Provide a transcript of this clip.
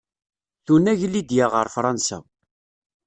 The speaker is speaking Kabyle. Tunag Lidya ɣer Fransa.